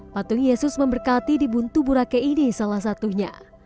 patung yesus memberkati di buntu burake ini salah satunya